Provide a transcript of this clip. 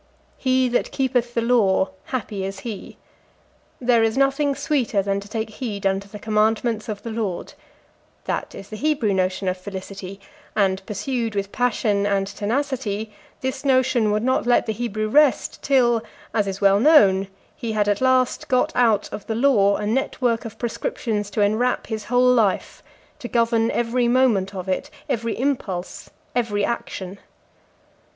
"He that keepeth the law, happy is he;" "There is nothing sweeter than to take heed unto the commandments of the Lord;"+ that is the Hebrew notion of felicity; and, pursued with passion and tenacity, this notion would not let the Hebrew rest till, as is well known, he had, at last, got out of the law a network of prescriptions to enwrap his whole life, to govern every moment of it, every impulse, every action.